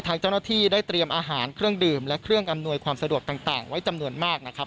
ทางเจ้าหน้าที่ได้เตรียมอาหารเครื่องดื่มและเครื่องอำนวยความสะดวกต่างไว้จำนวนมากนะครับ